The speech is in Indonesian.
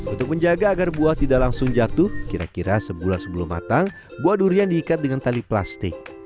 untuk menjaga agar buah tidak langsung jatuh kira kira sebulan sebelum matang buah durian diikat dengan tali plastik